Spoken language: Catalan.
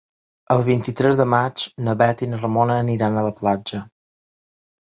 El vint-i-tres de maig na Bet i na Ramona aniran a la platja.